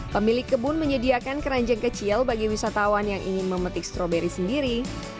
pemilik kebun menyediakan keranjang kecil bagi wisatawan yang ingin memetik stroberi sendiri